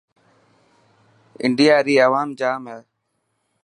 انڊيا ري اوام جام هي.